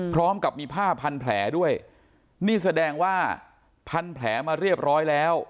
พร้อมกับมีผ้าพันแผลด้วยนี่แสดงว่าพันแผลมาเรียบร้อยแล้ว